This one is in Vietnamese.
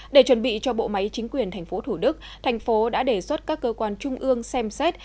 để chuẩn bị cho bộ máy chính quyền tp hcm thành phố đã đề xuất các cơ quan trung ương xem xét